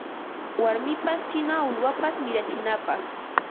Warmipas china uywapas mirachinapaq